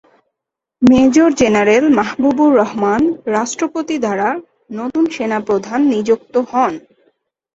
Major general Mahbubur Rahman রাষ্ট্রপতি দ্বারা নতুন সেনাপ্রধান নিযুক্ত হন।